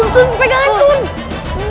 tunggu pegangin tunggu